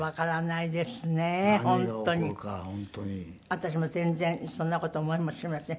私も全然そんな事思いもしません。